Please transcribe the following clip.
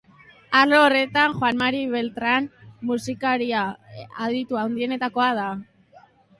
Arlo horretan, Juan Mari Beltran musikaria aditu handienetakoa da.